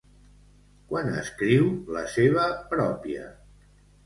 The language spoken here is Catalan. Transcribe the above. Quan escriu la seva pròpia?